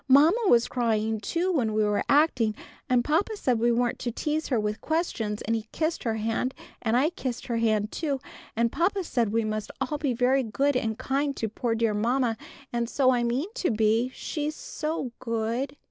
Mamma was crying too when we were acting, and papa said we weren't to tease her with questions, and he kissed her hand, and I kissed her hand too. And papa said we must all be very good and kind to poor dear mamma, and so I mean to be, she's so good.